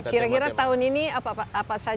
kira kira tahun ini apa saja yang menjadi fokus kesehatan